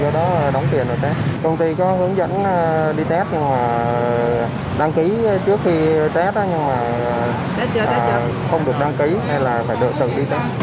đăng ký trước khi test nhưng mà không được đăng ký hay là phải tự đi test